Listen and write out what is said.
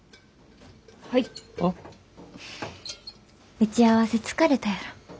打ち合わせ疲れたやろ。